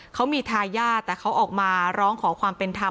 เขามีทายาทแต่เขาออกมาร้องขอความเป็นธรรม